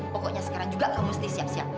pokoknya sekarang juga kamu harus disiap siap